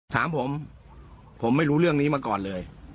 ถามผมผมไม่รู้เรื่องนี้มาก่อนเลย